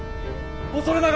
恐れながら。